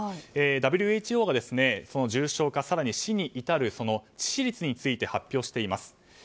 ＷＨＯが重症化更に、死に至る致死率について発表しています。